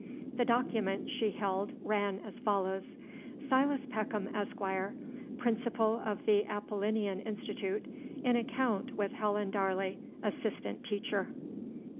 The document she held ran as follows: Silas Peckham, Esq., Principal of the Apollinean Institute, In Account with Helen Darley, Assist. Teacher. Dr. Cr.